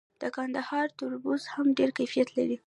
د کندهار تربوز هم ډیر کیفیت لري.